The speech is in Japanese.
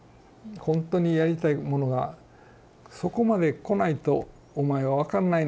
ほんとにやりたいものが「そこまで来ないとお前分かんないのか」って言われるぐらい